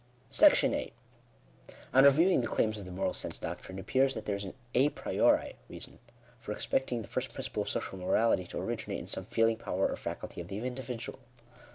§8 On reviewing the claims of the Moral Sense doctrine, it appears that there is a priori reason for expecting the first principle of social morality to originate in some feeling, power, or faculty of the individual.